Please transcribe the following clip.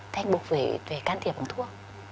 thế anh bục về can thiệp bằng thuốc